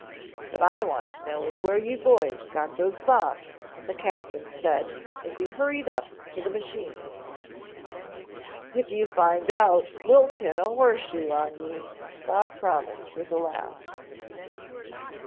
"What I want to know is where you boys got those bombs," the captain said as he hurried up to the machine. "If you find out, we'll pin a horseshoe on you," Bob promised with a laugh.